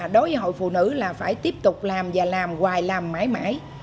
đối với hội phụ nữ là phải tiếp tục làm và làm hoài làm mãi mãi